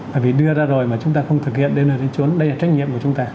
bởi vì đưa ra rồi mà chúng ta không thực hiện đây là trách nhiệm của chúng ta